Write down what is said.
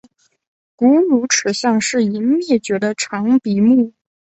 古乳齿象是已灭绝的长鼻目。